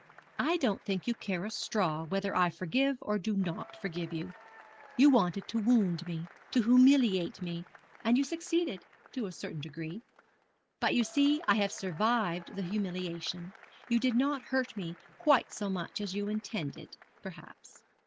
'I don't think you care a straw whether I forgive or do not forgive you. You wanted to wound me to humiliate me and you succeeded to a certain degree. But you see I have survived the humiliation. You did not hurt me quite so much as you intended, perhaps.'